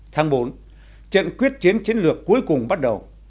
tháng bốn trận quyết chiến chiến lược cuối cùng bắt đầu